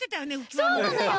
そうなのよ！